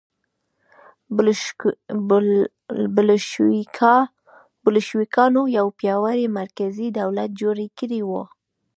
بلشویکانو یو پیاوړی مرکزي دولت جوړ کړی و.